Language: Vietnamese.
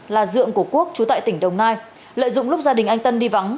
là dượng của quốc trú tại tỉnh đồng nai lợi dụng lúc gia đình anh tân đi vắng